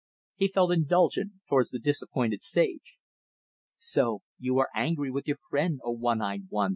He felt indulgent towards the disappointed sage. "So you are angry with your friend, O one eyed one!"